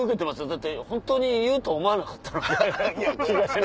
だって本当に言うと思わなかったので東野さん。